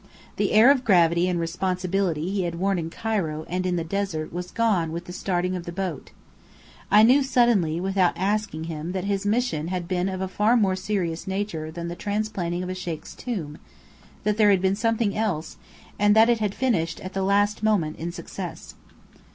The air of gravity and responsibility he had worn in Cairo and in the desert was gone with the starting of the boat. I knew suddenly, without asking him, that his mission had been of a far more serious nature than the transplanting of a sheikh's tomb; that there had been something else, and that it had finished at the last moment in success.